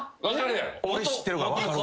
俺知ってるから分かる。